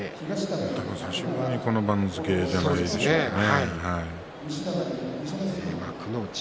久しぶりにこの番付じゃないですかね。